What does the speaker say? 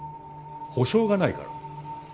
保証がないから。